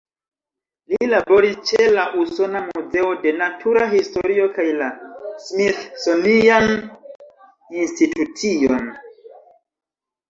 Li laboris ĉe la Usona Muzeo de Natura Historio kaj la "Smithsonian Institution".